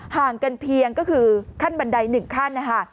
ห่างกันเพียงก็คือขั้นบันได๑ขั้นนะคะ